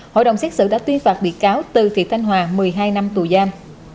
hội đồng xét xử đã tuyên phạt bị cáo từ thị thanh hòa một mươi hai năm tù giam